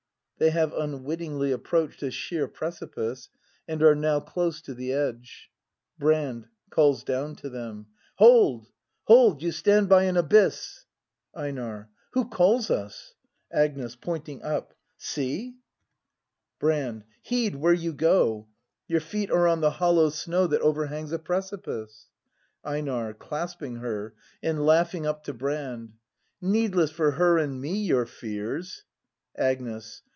[They have unwittingly approached a sheer prec ipice, and are now close to the edge. Brand. [Calls down to them.] Hold! hold! You stand by an abyss! EiNAE. Who calls us ? Agnes. [Pointing up.] See! 30 BRAND [ACT i Brand. Heed where you go! Your feet are on the hollow snow That overhangs a precipice. Eestar. [Clasping Jier, and laughing up to Brand.] Needless for her and me your fears! Agnes.